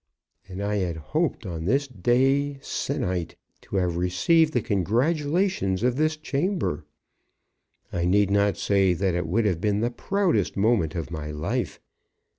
And I had hoped on this day se'nnight to have received the congratulations of this chamber. I need not say that it would have been the proudest moment of my life.